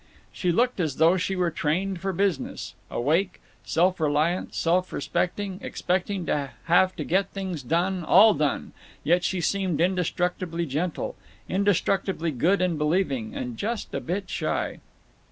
She looked as though she were trained for business; awake, self reliant, self respecting, expecting to have to get things done, all done, yet she seemed indestructibly gentle, indestructibly good and believing, and just a bit shy.